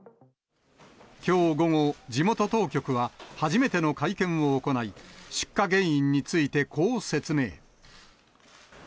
きょう午後、地元当局は、初めての会見を行い、出火原因についてこう説明。